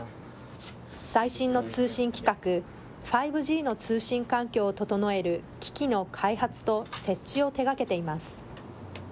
最新の通信規格、５Ｇの通信環境を整える機器の開発と設置を手がけています。